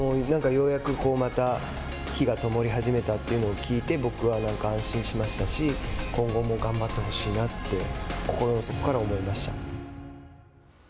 でも、ようやくまた、灯がともり始めたということを聞いて僕はなんか安心しましたし今後も頑張ってほしいなって心の底から思いました。